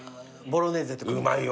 ボロネーゼって感じ。